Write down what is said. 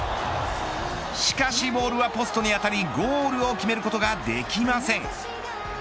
しかしボールはポストに当たりゴールを決めることができません。